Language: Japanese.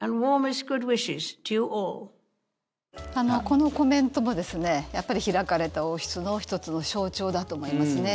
このコメントもやっぱり開かれた王室の１つの象徴だと思いますね。